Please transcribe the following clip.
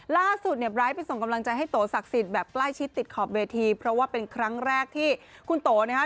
ล่าสุดเนี่ยไร้ไปส่งกำลังใจให้โตศักดิ์สิทธิ์แบบใกล้ชิดติดขอบเวทีเพราะว่าเป็นครั้งแรกที่คุณโตนะฮะ